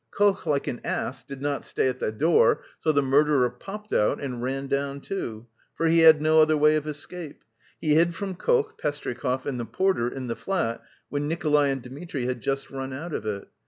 Koch, like an ass, did not stay at the door; so the murderer popped out and ran down, too; for he had no other way of escape. He hid from Koch, Pestryakov and the porter in the flat when Nikolay and Dmitri had just run out of it.